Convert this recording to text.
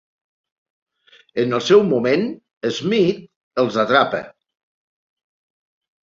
En el seu moment, Smith els atrapa.